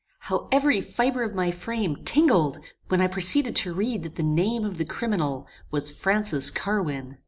how every fibre of my frame tingled when I proceeded to read that the name of the criminal was Francis Carwin!